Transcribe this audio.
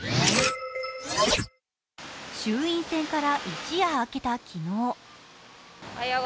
衆院選から一夜明けた昨日。